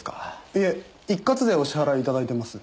いえ一括でお支払い頂いてます。